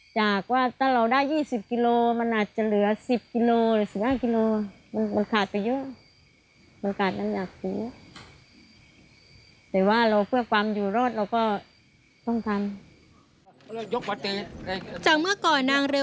จากเมื่อก่อน